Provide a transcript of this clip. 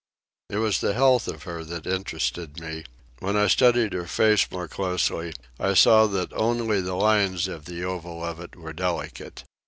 It was the health of her that interested me. When I studied her face more closely I saw that only the lines of the oval of it were delicate.